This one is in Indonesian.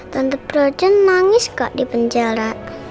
tante frozen nangis tidak di penjara